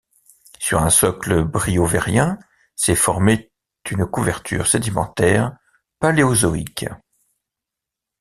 Sur un socle briovérien s'est formée une couverture sédimentaire paléozoïque.